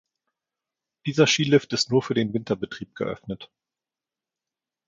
Dieser Skilift ist nur für den Winterbetrieb geöffnet.